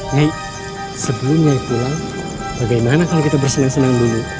nyai sebelum nyai pulang bagaimana kalau kita bersenang senang dulu